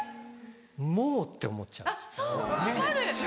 「もう」って思っちゃうんです。